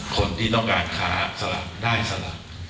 คนที่ต้องการค้าสลากได้สละ